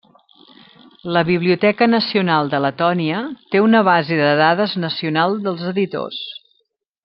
La Biblioteca Nacional de Letònia té una base de dades nacional dels editors.